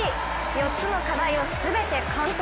４つの課題を全て完登。